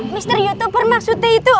mister youtuber maksudnya itu